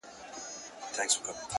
په شپو شپو یې سره کړي وه مزلونه،